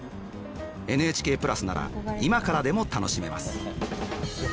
ＮＨＫプラスなら今からでも楽しめます。